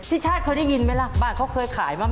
พี่ชาติเขาได้ยินไหมล่ะบ้านเขาเคยขายมาไหม